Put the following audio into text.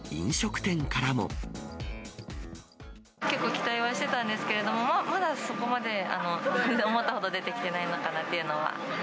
結構、期待はしてたんですけれども、まだそこまで、思ったほど出てきてないのかなっていうのは。